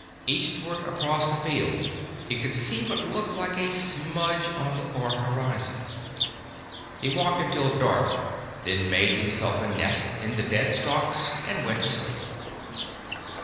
Eastward across the field he could see what looked like a smudge on the far horizon. He walked until dark, then made himself a nest in the dead stalks, and went to sleep.